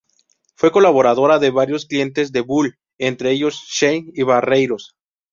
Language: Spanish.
Fue colaboradora de varios clientes de Bull, entre ellos Shell y Barreiros.